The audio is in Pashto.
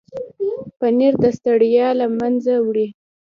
پنېر د ستړیا له منځه وړي.